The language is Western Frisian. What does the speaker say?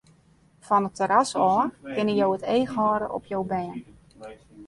Fan it terras ôf kinne jo it each hâlde op jo bern.